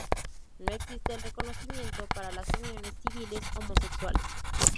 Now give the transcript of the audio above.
No existe el reconocimiento para las uniones civiles homosexuales.